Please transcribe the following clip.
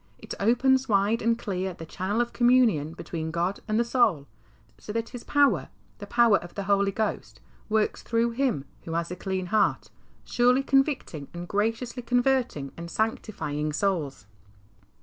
It opens wide and clear the channel of communion between 28 HEART TALKS ON HOLINESS. God and the soul, so that His power, the power of the Holy Ghost, works through him who has a clean heart, surely convicting and graciously converting and sarxtifying souls.